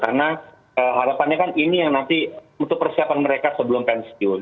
karena harapannya kan ini yang nanti untuk persiapan mereka sebelum pensiun